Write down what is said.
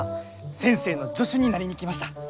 先生の助手になりに来ました。